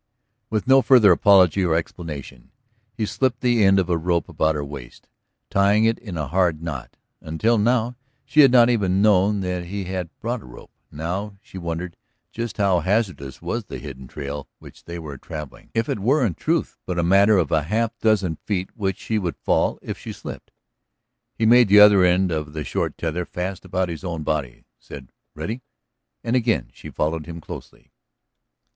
With no further apology or explanation he slipped the end of a rope about her waist, tying it in a hard knot. Until now she had not even known that he had brought a rope; now she wondered just how hazardous was the hidden trail which they were travelling; if it were in truth but the matter of half a dozen feet which she would fall if she slipped? He made the other end of the short tether fast about his own body, said "Ready?" and again she followed him closely.